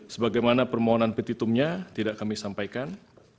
sebagaimana permohonan petitumnya tidak kami sampaikan